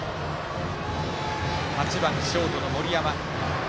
バッター８番、ショートの森山。